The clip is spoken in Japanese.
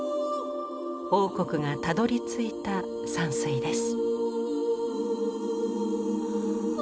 櫻谷がたどりついた山水です。